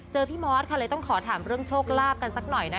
พี่มอสค่ะเลยต้องขอถามเรื่องโชคลาภกันสักหน่อยนะ